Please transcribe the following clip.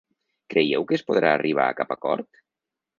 Creieu que es podrà arribar a cap acord?